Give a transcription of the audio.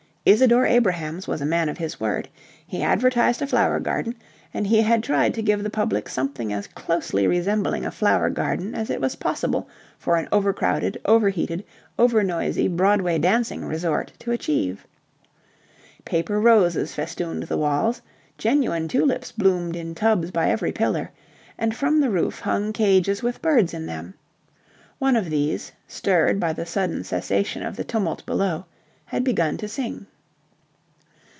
Isadore Abrahams was a man of his word. He advertised a Flower Garden, and he had tried to give the public something as closely resembling a flower garden as it was possible for an overcrowded, overheated, overnoisy Broadway dancing resort to achieve. Paper roses festooned the walls; genuine tulips bloomed in tubs by every pillar; and from the roof hung cages with birds in them. One of these, stirred by the sudden cessation of the tumult below, had began to sing.